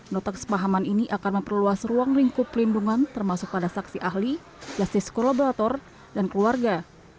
nota kesepahaman ini akan memperluas ruang lingkup pelindungan termasuk pada saksi ahli justice kolaborator dan keluarga